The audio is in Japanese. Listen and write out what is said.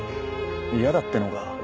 嫌だってのか？